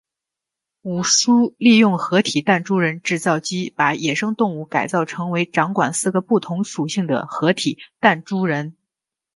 武殊利用合体弹珠人制造机把野生动物改造成为掌管四个不同属性的合体弹珠人。